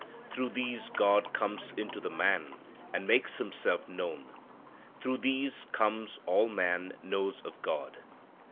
Through these God comes into the man and makes Himself known. Through these comes all man knows of God.